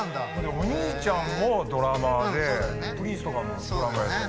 お兄ちゃんもドラマーでプリンスとかのドラムやって。